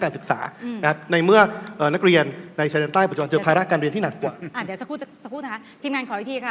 ได้ครับเมื่อกี้ครบ๖ตัวต่อยอ่อนข้างไหน